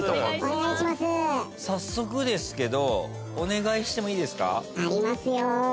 早速ですけどお願いしてもいいですか？